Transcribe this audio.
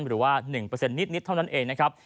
หรือว่า๑นิดเท่านั้นเองนะครับ